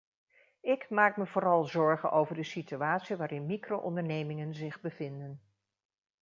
Ik maak me vooral zorgen over de situatie waarin micro-ondernemingen zich bevinden.